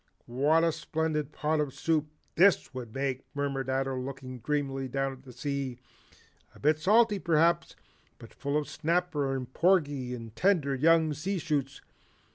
What a splendid pot of soup THIS would make," murmured Ato looking dreamily down at the sea, "a bit salty, perhaps, but full of snapper and porgy and tender young sea shoots.